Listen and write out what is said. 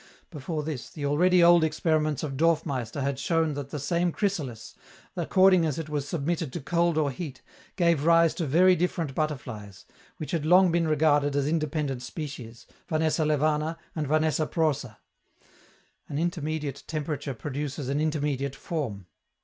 Before this, the already old experiments of Dorfmeister had shown that the same chrysalis, according as it was submitted to cold or heat, gave rise to very different butterflies, which had long been regarded as independent species, Vanessa levana and Vanessa prorsa: an intermediate temperature produces an intermediate form.